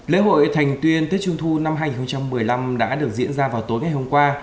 lễ hội thành tuyên tết trung thu năm hai nghìn một mươi năm đã được diễn ra vào tối ngày hôm qua